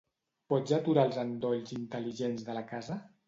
Pots aturar els endolls intel·ligents de la casa?